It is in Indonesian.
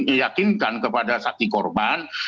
kita yakin kepada saksi korban